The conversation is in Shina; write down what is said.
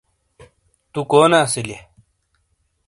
تُو کونے اسیلئیے؟